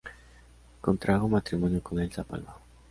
Contrajo matrimonio con Elsa Palma.